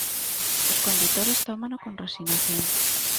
Os condutores, tómano con resignación.